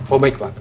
oh baik pak